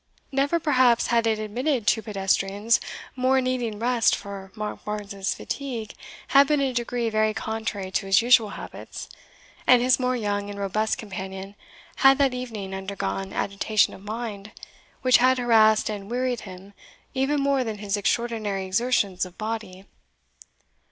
Never, perhaps, had it admitted two pedestrians more needing rest for Monkbarns's fatigue had been in a degree very contrary to his usual habits, and his more young and robust companion had that evening undergone agitation of mind which had harassed and wearied him even more than his extraordinary exertions of body.